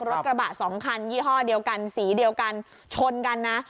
รถกระบะสองคันยี่ห้อเดียวกันสีเดียวกันชนกันนะ